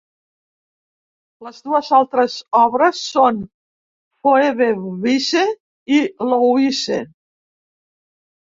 Les dues altres obres són "Phoebe Wise" i "Louise".